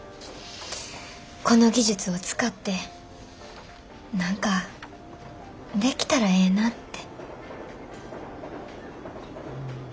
この技術を使って何かできたらええなって。